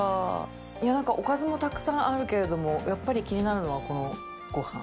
い何かおかずもたくさんあるけれども笋辰僂気になるのはこのごはん。